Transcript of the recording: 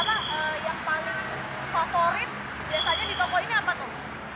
favorit biasanya di toko ini apa tuh